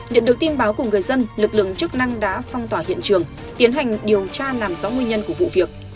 nhận được tin báo của người dân lực lượng chức năng đã phong tỏa hiện trường tiến hành điều tra làm rõ nguyên nhân của vụ việc